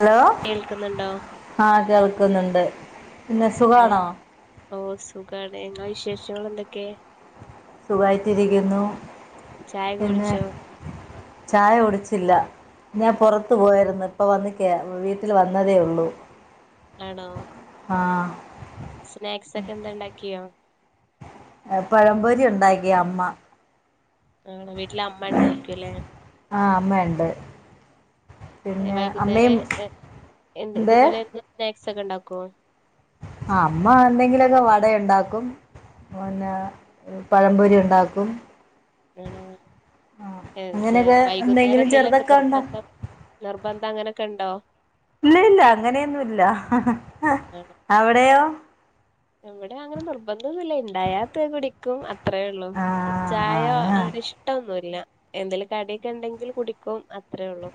Hello കേൾക്കുന്നുണ്ടോ ആഹ് കേൾക്കുന്നുണ്ട് പിന്നെ ആഹ് സുഖാണോ ഓഹ് സുഖാണ് എന്നാ വിശേഷങ്ങള് എന്തൊക്കെ സുഖമായിട്ടിരിക്കുന്നു ചായക്കെ പിന്നെ- കുടിച്ചോ ചായ കുടിച്ചില്ല ഞാൻ പൊറത്തു പോയായിരുന്നു ഇപ്പ വന്ന് കേ വീട്ടിൽ വന്നതേയുള്ളൂ ആണോ ആഹ് സ്നാക്സ് ഒക്കെ എന്താ ഇണ്ടാക്കിയോ? ഏഹ് പഴമ്പൊരി ഉണ്ടാക്കി അമ്മ. ആണോ വീട്ടിലമ്മ ഇണ്ടായിരിക്കുലേ? ആഹ് അമ്മയുണ്ട് പിന്നെ വൈകുന്നേരെ അമ്മയും എ എന്ന് എന്തേ ഇതുപോലെ എന്നും സ്‌നാ ക്സക്കെ ഇണ്ടാക്കോ? അമ്മ എന്തെങ്കിലൊക്കെ വടയുണ്ടാക്കും പിന്നെ പഴംപൊരി ഉണ്ടാക്കും. ആണോ? ഏഹ് സ്‌നാ അങ്ങനെയൊക്കെ വൈകുന്നേരം എന്തെങ്കിലും എന്തേലൊക്കെ ചെറുതൊക്കെ ഉണ്ടാക്കും നിർബന്ധം നിർബന്ധം അങ്ങനൊക്കെ ഇണ്ടോ? ഇല്ല ഇല്ല അങ്ങനെയൊന്നുംല്ല. അവടെയോ? ഇവടെ അങ്ങനെ നിർബന്ധ ഒന്നുല്ല ഇണ്ടായാത് കുടിക്കും അ ത്രേള്ളൂ ആഹ് ചായ ആഹ് അങ്ങനെ ഇഷ്ടൊന്നുല്ല. എന്തേലും കട്യെക്കെ ഇണ്ടെങ്കിൽ കുടിക്കും അത്രേ ഉള്ളൂ.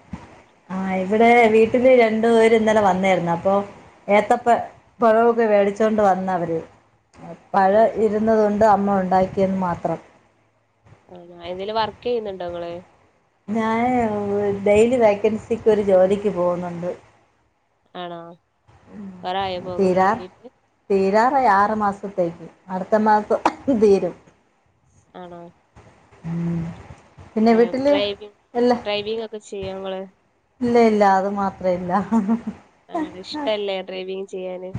ആഹ് ഇവിടെ വീട്ടില് രണ്ടു പേര് ഇന്നലെ വന്നേര്ന്നു അപ്പൊ ഏത്തപ്പ പഴോക്കെ വേടിച്ചോണ്ട് വന്നവര്. എ പഴ ആണോ ഇര്ന്നതോണ്ട് അമ്മ ഉണ്ടാക്കിയെന്ന് മാത്രം. ആന്നാ എന്തേലും വർക്ക്യ്യുന്ന്ണ്ടോ ഇങ്ങള്? ഞാന് ഡെയിലി വേക്കൻസിക്ക് ഒരു ജോലിക്ക് പോവുന്നുണ്ട്. ആണോ കൊറായോ പോകുന്നൊടങ്ങീട്ട്? ഹേയ് ആറു മാസത്തേക്ക് അട്ത്ത മാസം തീരും. ആണോ. ഉം പിന്നെ ആഹ് വീട്ടില് ഡ്രൈവിങ് ഇല്ല ഡ്രൈവിംഗക്കെ ചെയ്യോങ്ങള്? ഇല്ല ഇല്ലാ അത് മാത്രയില്ലാ [unintelligible] ഇഷ്ടല്ലേ ഡ്രൈവിംഗ് ചെയ്യാന്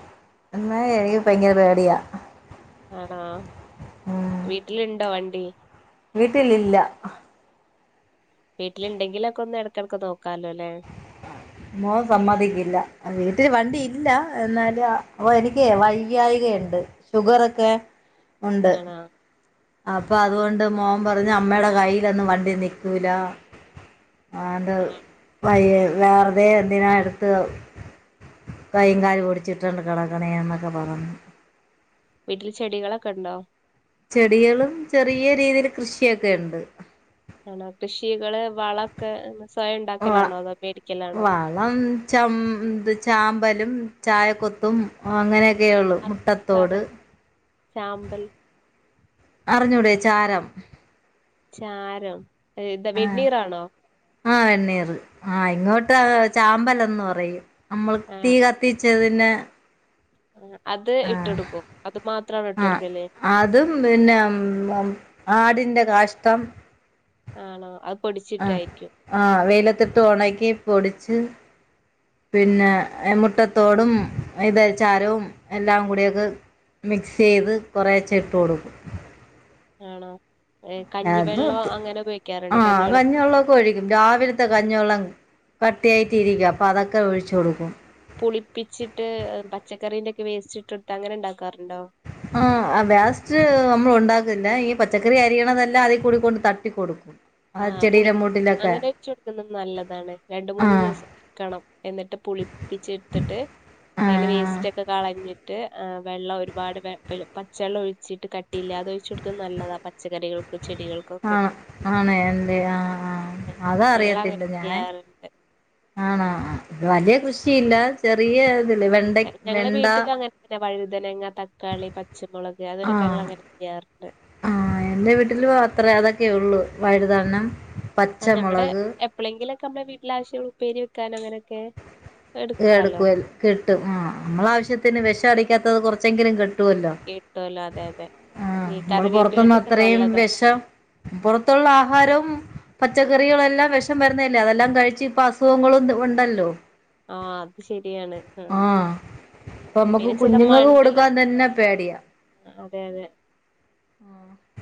അന്നേരം എനിക്ക് ഭയങ്കര പേടിയാ ആണോ വീട്ടില്ണ്ടോ വണ്ടി വീട്ട്ലില്ലാ വീട്ടില്ണ്ടെങ്കിലൊക്കൊന്ന് എട്ക്കടക്ക് നോ മോൻ സമ്മതിക്കില്ല [unintelligible] ട്ടില് വണ്ടിയില്ല എന്നാലും അ അപ്പൊ എനിക്ക്യെ വയ്യായികയുണ്ട് ഷുഗറൊക്കെ ഉണ്ട് ആണോ അപ്പൊ അതുകൊണ്ട് മോൻ പറഞ്ഞു അമ്മയുടെ കയ്യിലൊന്നും വണ്ടി നിക്കൂലാ ആ എന്താ ആഹ് വയ വേറുതെ എന്തിനാ എടുത്ത് കൈകാലി പഓടിച്ചിട്ടുണ്ട് കിടക്കണേ എന്നൊക്കെ പറഞ്ഞു വീട്ടില് ചെടികളൊക്കെ ഉണ്ടോ ചെടികളും ചെറിയ രീതിൽ കൃഷിയൊക്കെ ഉണ്ട് ആണോ കൃഷികള് വളൊക്കെ സ്വയം വ ഉണ്ടാക്കലാണോ അതോ മേടിക്കലാണോ വളം ചന്ത് ചാമ്പ ലും ചായക്കൊത്തും അങ്ങനെ കേള് മുട്ടത്തോട് സാധനം ചാമ്പൽ അറിഞ്ഞൂടേ ചാരം ചാരം ഇതാ വെണ്ണീർണോ ആഹ എണ്ണീർ ആഹ് ഇങ്ങോട്ട് ചാമ്പലന്ന് പറയും നമ്മൾ തീ ആഹ് കത്തി ച്ചതിന്നെ അത് ഇട്ടടുക്കും അത് മാത്രമാണ് ഇട്ട ആഹ് കൊടുക്കല്ലേ അതും പിന്നെ ആടിന്റെ കാഷ്ടം ആണോ അത് ആഹ പൊടിച്ചിട്ടായിരിക്കും ആഹ വെയിലത്തിട്ട് ഉണക്കി പൊടിച്ച് പിന്നെ മുട്ടത്തോടും ഇത ചാരവും എല്ലാം കൂടിയൊക്കെ മിക്സ് ചെയ്ത് കുറെ ചിട്ട് കൊടുക്കും ആണോ ഏ, കഞ്ഞിവെള്ളം ത് അങ്ങനെ ഉപയോഗിക്കാറുണ്ടോ ആഹ കഞ്ഞിവെള്ളം ഒക്കെ ഒഴിക്കും രാവിലത്തെ കഞ്ഞിവെള്ളം കട്ടിയായിട്ടി ഇരിക്കുക അപ്പൊ അതൊക്കെ ഒഴിച്ചു കൊടുക്കും പുളിപ്പിച്ചിട്ട് പച്ചക്കറീന്റെ ഒക്കെ വേസ്റ്റ്ട്ട എടുത്ത് അങ്ങനെ ഇണ്ടാക്കും ആ വ്യാസ്റ്റ് നമ്മൾ ഉണ്ടാക്ക പച്ചക്കറി അരിതല്ല അത കൂണ്ട് തട്ടിക്ക കൊടുക്കും ആ ആഹ് പുളി ചെൽട്ട അങ്ങനെ അിച്ച കൊടുക്കുന്നത് നല്ലതാണ് രണ്ട മൂന്ന് ആഹ് ദിവസം എക്കണം എന്നിട്ട് പുളിപ്പിച്ചെടുത്തിട്ട് കയ്ല് ആഹ് വേസ്റ്റ് ഒക്കെ കാളാ വെള്ള ഒരുപാട് പച്ചവെള്ളം ഒഴിച്ചിട്ട് കട്ടിയില്ല അതൊഴിച്ചെടുക്കുന്നത് നല്ലതാണ് പച്ചക്കറികൾക്ക് ചെടികൾക്കൊക്കെ ആഹ് ആണ് എ്റെ ആ ആ അത ഞങ്ങള് അങ്ങനെ അറിയത്തില്ല ഞാാന്ൻ ചെയ്യാറുണ്ട് ആണോ ആ വലിയ കൃഷിയില്ല ചെറിയ വെണ്ട ഞങ്ങളെ വെണ്ട വീട്ടിലും അങ്ങനെ തങ്ങന്നെ വഴുതനങ്ങ തക്കാളി പച്ചമുളക് അതിനൊക്കെ ഞങ്ങൾ അങ്ങനെ ചെയ്യാറുണ്ട് ആഹ എറെ വീട്ടില് അത്രേ അതൊക്കെ ഉള്ളൂ വയുതടനം ആ നമ്മടെ എപ്പഴെങ്കിലൊക്കെ നമ്മുടെ വീട്ടില ആവശ്യ ഉ പേര് വെക്കാന അങ്ങനൊക്കെ എടുക്കാലോ എടുക്കുവ കിട്ടും ആ നമ്മള ആവശ്യത്തിന് വിഷ അടിക്കാത്തത് കൊറച്ചെങ്കിലും കിട്ടും കേട്ടോല അതെ അതെ ഈ നമ്മള് പുറത്തന്ന് കറിവേപ്പിലക്കൊക്കെ അത്രയും നല്ലതാണ് വിഷം പുൊറത്തുള്ള ആഹാരവും പച്ചക്കറികളെല്ലാം വിഷം വരുന്നല്ലേ അതെല്ലാം കഴിച്ച് ഇപ്പ അസുഖങ്ങളും ഉണ്ടല്ലോ ആ അത് ശരിയാണ് ആ അപ്പൊ നമ്മുക്ക് കുഞ്ഞുങ്ങ കൊടുക്കാൻ തന്നെ പേടിയാ അതെ അതെ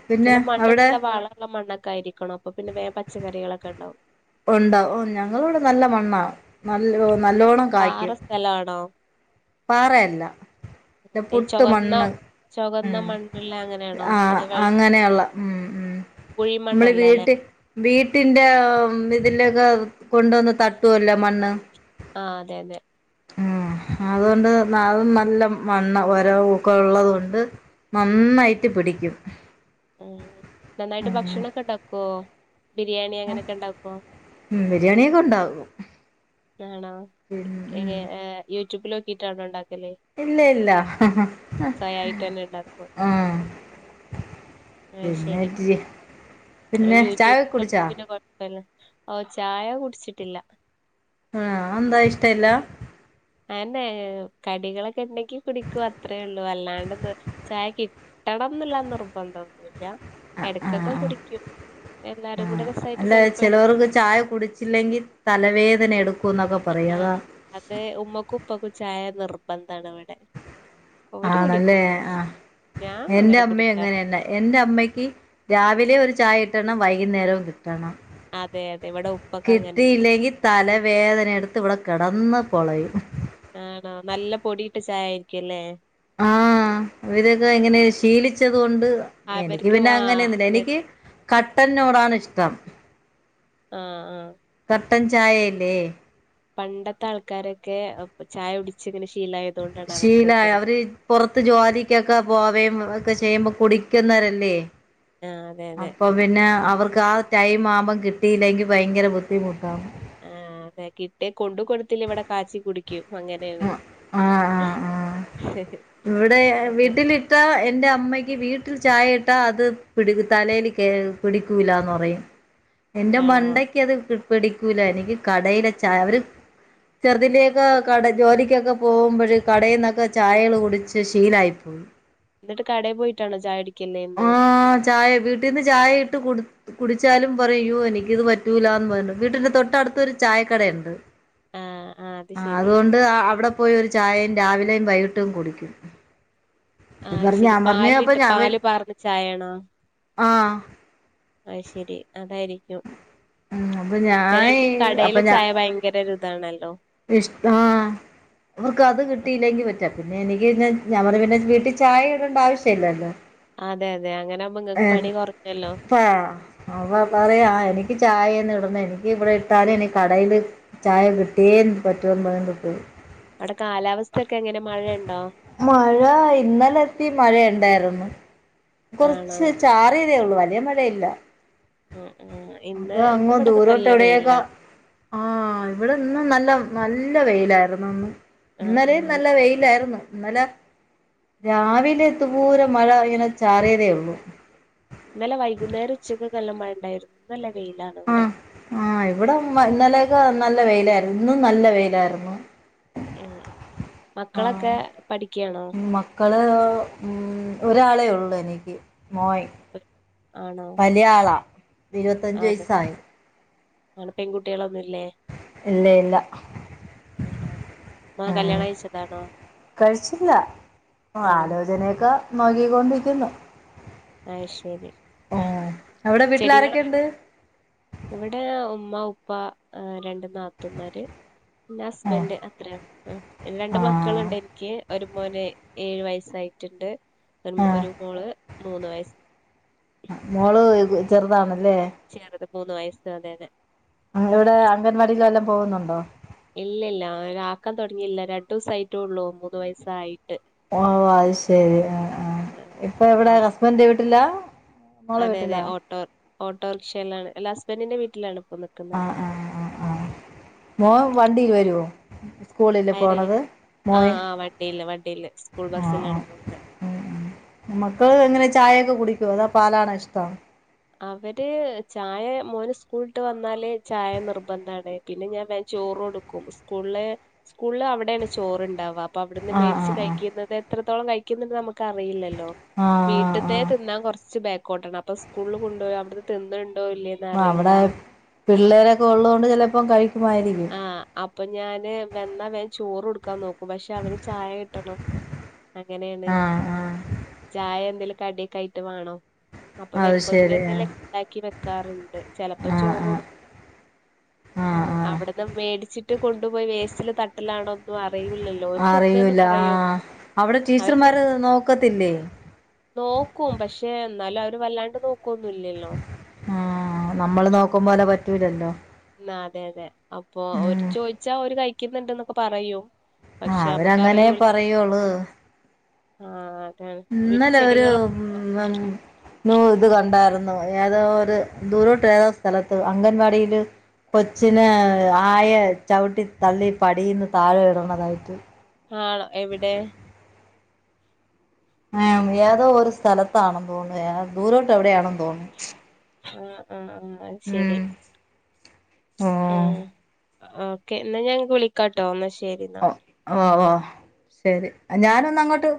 പിന്നെ ചില മണ്ണ് അവിടെ നല്ല വാളുള്ള മണ്ണൊക്കെ ആയിരിക്കണം അപ്പൊ പിന്നെ വേ പച്ചക്കറികളൊക്കെ ഉണ്ടാവും ഉണ്ടാവും ഓ ഞങ്ങള ഇവിടെ നല്ല മണ്ണാവ നല്ല നല്ലോണ്ണം പാറ കായ്ക്കും. സ്ഥലാണോ പാറയല്ല എ ഈ പുട്ട് ചൊകന്ന മണ്ണ് ഉ ചൊകന്ന മണ്ണുള്ള അങ്ങനെയാണോ ആ അതോ വെ അങ്ങനെയുള്ള ഉം ഉ നമ്മള് കുഴിമണ്ണല്ല അല്ലെ വീട്ടിൽ വീട്ടിന്റെ [unintelligible] ഇതിലൊക്കെ കൊണ്ടുവന്ന് തട്ടുവല്ലോ മണ്ണ് ആഹ അതെ അതെ. ആഹ അതുകൊണ്ട് അത് നല്ല മണ്ണ ഒരൂക്കെ ഉള്ളതുക കൊണ്ട് നന്നായിട്ട് പിടിക് [unintelligible] ഉം നന്നായിട്ട് ഭക്ഷണൊക്കെ ഇണ്ടാക്കോ? ആം ഉം ബിരിയാണിയൊക്കെ ഉണ്ടാക്കും നാണോ എയേ ഏഹ് യൂട്യൂബിലോക്കിട്ടാണോ ഇണ്ടാ ഇല്ലെ ഇല്ലാ സ്വയായിട്ട് തന്നെ ആഹ് ഏഹ് പിന്നെ ശരി ഇച്ചിരി പിന്നെ ചായ യൂട്യൂബ് [unintelligible] കുടിച്ചാ പിന്നെ കൊഴപ്പല്ല ഓഹ് ചായ കുട്ച്ചിട്ടില്ല ആഹ് അഹ് എന്താ ഇഷ്ടല്ല അയെന്നെ കടിക്കളൊക്കെ ഇണ്ടെക്കി കുടിക്കും അത്രേ ഇള്ളൂ അല്ലാണ്ട് ബ് ചായ കി ട്ടണംന്ന്ള്ള നിർബന്ധൊന്നുല്ല ആഹ് എടക്കൊക്കെ ആഹ് ആഹ് കുടിക്ക്യും. എല്ലാ ആ അല്ല ചെലോർക്ക് ചായ കുട്ച്ചില്ലെങ്കി തലവേദന എടു ക്കുന്നൊക്കെ പറിം ആ അതാ അത് തടവടെ ആണല്ലേ ആഹ് ഞാൻ എന്റെ അങ്ങനെ അമ്മേം കുടിക്കാറില്ല അങ്ങനെയന്നെ എന്റെ അമ്മയ്ക്ക് രാവിലെ ഒരു ചായ കിട്ടണം വൈക്ന്നേരോം കി കണം അതെ അതെ ഇവിടെ ഉപ്പക്ക് അങ്ങനെയാണ് കിട്ടിയില്ലെങ്കി തലവേദന എടുത്ത് ഇവിടെ കിടന്ന്. പൊളയും. ആണോ നല്ല പൊടിയിട്ട ചായ ആയിരിക്കുല്ലേ? ആഹ് ഇവരത് എങ്ങനെ ശീലിച്ചത്കൊൺ ട് അഹ് എനിക്ക് അവർക്ക് പിന്നെ ആ അങ്ങനെയൊന്നില്ല അതെ എനിക്ക് അതെ കട്ടനോടാണ് ഇഷ്ടം. ആഹ് ആഹ് ട്ടൻ ചായയല്ലേ? പണ്ടത്തെ ആൾക്കാരൊക്കെ ഉപ് ചായ ഉടിച്ച് ഇങ്ങനെ ശീലായ ശീലായ അവര് പൊറത്ത് ജോലിക്കൊക്കെ പോവയും ഹ് ക്കെ ചെയ്യുമ്പോ കുടിക്കുന്നവരല്ലേ? ആ അതെ അതെ അപ്പൊ പിന്നെ അവർക്ക് ആ ടൈം ആവുമ്പം കിട്ടിയില്ലെങ്കി ഭയങ്കര ബുദ്ധിമുട്ടാവും. ആഹ് അതെ കിട്ടേ കൊണ്ട് കൊടുത്തില്ലെ ഇവിടെ കാച്ചി കുടിക്കും. അങ്ങനെയാണ് അഹ് ആഹ് ആഹ് ആഹ് ഇവിടെ അതെ വീട്ടിലിട്ട എന്റെ അമ്മയ് ഇ വീട്ടിൽ ചായ ഇട്ടാ അത് പിടിത് തലേല് കേ പിടിക്കൂലാന്ന് പറയും. എന്റെ ആണോ മണ്ടക്ക് അത് ക് പിടിക്കൂല എനിക്ക് കടയിലെ ചായ അവര് ചെറുതിന്റെക്ക കടെ ജോലിക്കൊക്കെ പോകുമ്പയ് കടയിന്നൊക്കെ ചായേള് കുടിച്ച് ശീലായി പോയി. ന്നട്ട് കടേപോയിട്ടാണോ ചായുടിക്കല്ലേന്നോ? ആഹ് ചായ വീട്ടിന്ന് ചായ ഇട്ട് കുട് കുടിച്ചാലും പറ യോ എനിക്കിത് പറ്റൂലാന്ന് പറഞ്ഞു. വീട്ടിന്റെ തൊട്ട ടുത്തരു ചായക്കടയ്ണ്ട്. ആഹ് ആഹ് അത് ശരി. ത്ത് ആഹ് അവിടെ പോയി ഒരു ചായയും രാവിലെയും വൈകിട്ടും കുടിക്കും. ആ അത് പർഞ്ഞ ശരി ഞാൻ പറഞ്ഞേ അപ്പൊ പാലിട്ട് ഞാൻ വേ പാല് പാർന്ന ചായയാണോ ആഹ് അത് ശരി അതായിരിക്കും. അപ്പൊ ഞാൻ ചെലർക്ക് കടയിലെ ചായ ഭയങ്കര ഒരു ഇതാണല്ലോ. ഇഷ്ടാ ആഹ് അവർക്ക് അത് കിട്ടിയില്ലെങ്കിൽ പറ്റ പിന്നെ എനിക്ക് ഇന്ന് ഞങ്ങള് പിന്നെ വീട്ടിൽ ചായ ഇടേണ്ട ആവശ്യമില്ലല്ലോ അതെ അതെ അങ്ങനെ ആകുമ്പോ നിങ്ങൾക്ക് ആഹ് പണി കുറഞ്ഞല്ലോ പാ പറയാ എനിക്ക് ചായന്ന് ഇടുന്ന എനിക്ക് ഇവിടെ ഇട്ടാലും ഇനി കടയില് ചായ കിട്ടിയേ പറ്റുവന്ന് പറഞ്ഞ് പോകും അവിടെ കാലാവസ്ഥ ഒക്കെ എങ്ങനെ മഴയുണ്ടോ മഴ ഇന്നലെത്തി മഴ ഉണ്ടായിരുന്നു ആണോ കുറച്ച് ചാറിയതേ ഉള്ളു വലിയ മഴയില്ല ഉം ഉം അതാ അങ്ങ് ദൂരോട്ട് എവിടെയൊക്കെ ആഹ് ഇവിടെ ഇന്നും നല്ല നല്ല വെയിലായിരുന്നുന്ന് ആ ഇന്നലെ ആ നല്ല വെയിലായിരുന്നു ഇന്നലെ രാവിലെ തുപോലം മഴ ഇങ്ങനെ ചാറിയതേ ഉള്ളു ഇന്നലെ വൈകുന്നേരം ഉച്ചക്കൊക്കെ നല്ല മഴയിണ്ടായിരുന്നു ഇന്നലെ ആ ആഹ് ഇവിടെ ഇന്നലെയെക്കെ നല്ല വെയിലായിരുന്നു ഇന്നും നല്ല വെയിലായിരുന്നു ഉം മക്കളൊക്കെ ആഹ് പഠി മക്കള് മ് ഒരാളേ ഉള്ളു എനിക്ക് മോൻ ആണോ വലിയ ആള ആ, ഇരുപത്തിഞ്ച് അതെ വയസായി ആണ് പെൺകുട്ടികളൊന്നും ഇല്ല ഇല്ല ഇല്ല ആണോ മോൻ ഉം കല്യാണം കഴിച്ചതാണോ കഴിച്ചില്ല ആണോ ആലോചനയൊക്കെ നോക്കിക്കൊണ്ടിരിക്കുന്നു അത് ശരി ആ അവിടെ വീട്ടിൽ ചെടികൾ ആരൊക്കെയുണ്ട് ഇവിടെ ഉമ്മ ഉപ്പ രണ്ട് നാത്തൂൻമാര് പിന്നെ ഹസ്ബൻ്റ് അത്രയും ഉം പിന്നെ രണ്ട് ആഹ് മക്കളുണ്ട് എനിക്ക് ഒരു മോന് ഏഴു വയസ്സായിട്ടുണ്ട് ഒരു ആഹ് ഒരു മോള് മൂന്ന് വയസ് മോള് ചെറുതാണല്ലേ ചെറുത് മൂന്ന് വയസ് അതെ അതെ ഇവിടെ അംഗൻവാടിക്ക് വല്ലോം പോകുന്നുണ്ടോ ഇല്ലല്ല അ ആക്കാൻ തുടങ്ങിയില്ല രണ്ടു ദിവസം ആയിട്ടുള്ളൂ മൂന്ന് വയസായിട്ട് ഓ അത് ശരി ആ ആ ഇപ്പൊ ആ എവിടെ ഹസ്‌ബെഡിൻ്റെ വീട്ടിലാ മോളെ അതെ അതെ വീട്ടിലാ ഓട്ടോ ഓട്ടോറിക്ഷയിലാണ് ല്ല ഹസ്ബൻ്റിന്റെ വീട്ടിലാണ് നിക്കുന്നെ ആഹ് ആഹ് ആഹ് ആഹ മോൻ വണ്ടിയിൽ വരുവോ സ്കൂളില് ആര് പോണത് ആ മോൻ ആഹ് വണ്ടിയില് വണ്ടിയില് സ്കൂൾ ആഹ് ബസ്സിലാണ് ആഹ് പോകുന്നത് ഉം മക്കള് എങ്ങനെ ചായയൊക്കെ കുടി കുമോ അതോ പാലാണോ ഇഷ്ടം അവര് ചായ മോന് സ്കൂള് വിട്ട് വന്നാൽ ചായ നിർബന്ധാണ് പിന്നെ ഞാൻ വിചാ ചോറ് കൊടുക്കും സ്കൂളിലെ സ്കൂളിൽ അവിടൊയാണ് ചോറുണ്ടാവുക അപ്പൊ അവിടുന്ന് ആഹ് മേടിച്ച് ആഹ് ആഹ് കഴിക്കുന്നത് എത്രത്തോളം കഴിക്കുന്നുന്ന് നമ്മുക്ക് അറിയില്ലല്ലോ ആഹ് വീട്ടത്തെ ആഹ് തിന്നാൻ കൊറച്ച് ബാക്കോട്ടാണ് അപ്പോൾ സ്കൂളിൽ കൊണ്ട് പോയ അവിടുന്ന് തിന്നണുണ്ടേ ആ അവിടെ പിള്ളേരൊക്കെ ഉള്ളത് കൊണ്ട് ചിലപ്പോം കഴിക്കുമായിരിക്കും ആഹ് അപ്പൊ ഞാന് വന്നാ വേഗം ചോറ് കൊടുക്കാൻ നോക്കും പക്ഷെ അവന് ചായ കിട്ടണം അങ്ങനെയാണ് ആഹ് ആഹ് ചായ എന്തേലും കടിടൊക്കയായിട്ട് വാണം അപ്പൊ അത് വരുമ്പോത്തനെ ശരി എന്തെലും ആഹ് ഉണ്ടാക്കി വെക്കാറുണ്ട് ചിലപ്പോ ആഹ് ചോറ് ആഹ് കൊടുക്കും ആഹ് ആ അവിടുന്ന് മേടിച്ചിട്ട് കൊണ്ടുപോയി വേസ്റ്റില് തട്ടലാണോ അറിയൂല്ല ആഹ് അവിടെ അവര് തി ടീച്ചർമാര് നോക്കത്തില്ലേ നോക്കും പക്ഷെ എന്നാലും അവര് വല്ലാണ്ട് നോക്കു ആഹ് നമ്മള് നോക്കുമ്പോലെ പറ്റൂലല്ലോ ആഹ് അതെ അതെ അപ്പൊ ഓര് ഉം ചോദിച്ചാ അവര് കഴിക്കുന്നുണ്ടെന്നൊക്കെ പറയും ആ പക്ഷെ അവരങ്ങനെ നമ്മക്കറിയൂല്ല പറയുവുളളു ആഹ് അതാണ് വീട്ടിൽ ഇന്നല്ലേ ഒരു ചെടികളൊ മ് മ ന്നോ ഇത് കണ്ടായിരുന്നു ഏതോ ഒരു ദൂരോട്ട് ഏതോ സ്ഥലത്ത് അംഗൻവാടിയിൽ കൊച്ചിന് ആയ ചവിട്ടി തള്ളി പടീന്ന് താഴെ ഇടണതായിട്ട് ആണോ എവിടെ ആ ഏതോ ഒരു സ്ഥലത്താണോ തോന്നു ദൂരോട്ട് എവിടെയാണോ തോന്നുന്നു ആ ആ ആഹ് ശരി ഉം ഓ ആഹ് ആ ഓക്കെ ഇന്നാ ഞാൻ ഇങ്ങക്ക് വിളിക്കാട്ടോ ഇന്നാ ശരി എന്നാ ആ ആഹ് ആഹ് ശരി ഞാനന്ന അങ്ങോട്ട്